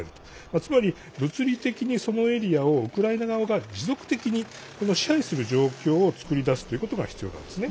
つまり、物理的にそのエリアをウクライナ側が持続的に支配する状況を作り出すということが必要なんですね。